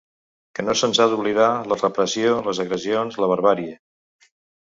Que no s’ens ha d’oblidar la repressió, les agressions, la barbàrie.